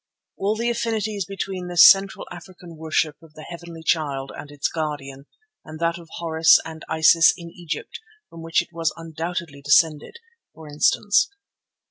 All the affinities between this Central African Worship of the Heavenly Child and its Guardian and that of Horus and Isis in Egypt from which it was undoubtedly descended, for instance.